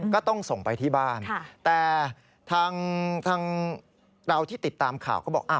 ก็ต้องส่งไปที่บ้านแต่ทางเราที่ติดตามข่าวก็บอก